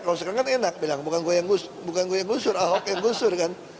kalau sekarang kan enak bilang bukan gue yang gusur ahok yang gusur kan